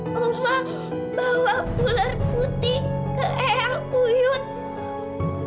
mama bawa ular putih ke eyang uyud